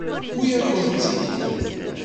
Tewwi-yakent-tt-id.